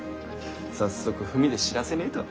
早速文で知らせねぇと。